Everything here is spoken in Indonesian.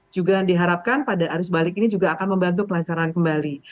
juga diharapkan pada arus balik ini juga akan membantu kelancaran kembali